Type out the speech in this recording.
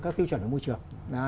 các tiêu chuẩn về môi trường